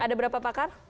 ada berapa pakar